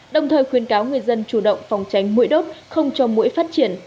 đồng thời khuyên cáo người dân chủ động phòng tránh mũi đốt không cho mũi phát triển